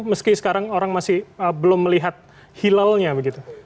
meski sekarang orang masih belum melihat hilalnya begitu